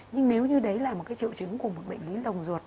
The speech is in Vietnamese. nhưng nếu như đấy là một triệu chứng của một bệnh lý lồng ruột